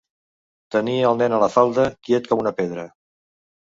Tenia el nen a la falda, quiet com una pedra.